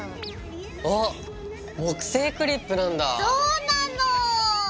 あっ木製クリップなんだぁ。